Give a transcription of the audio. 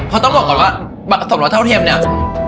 เพราะต้องบอกก่อนว่าผสมรสเท่าเทียมเนี่ย